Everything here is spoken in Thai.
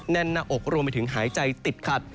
แน่นหน้าอกรวมไปถึงหายใจติดขัด